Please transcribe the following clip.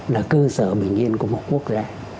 là cơ sở bình yên của một quốc gia